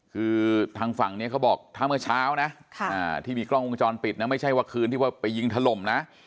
คือทางฝั่งนี้เขาบอกถ้าเมื่อเช้านะที่มีกล้องวงจรปิดนะไม่ใช่ว่าคืนที่ว่าไปยิงถล่มนะ